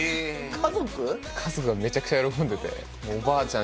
家族がめちゃくちゃ喜んでておばあちゃん